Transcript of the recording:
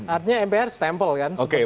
artinya mpr stempel kan seperti itu